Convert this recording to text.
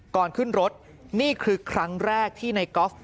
ก่อนขึ้นรถนี่คือครั้งแรกที่ในกอล์ฟ